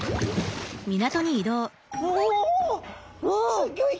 すっギョい